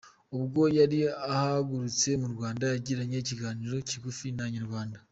Ubwo yari ahagurutse mu Rwanda yagiranye ikiganiro kigufi na Inyarwanda.